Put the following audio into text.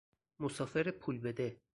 مسافر پول بده